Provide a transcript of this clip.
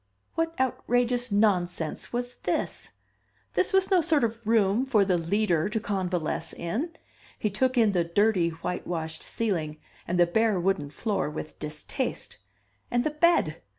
What outrageous nonsense was this? This was no sort of a room for the Leader to convalesce in. He took in the dirty white washed ceiling, and the bare wooden floor with distaste. And the bed!